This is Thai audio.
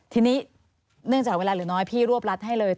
ทีนี้เนื่องจากเวลาเหลือน้อยพี่รวบรัดให้เลย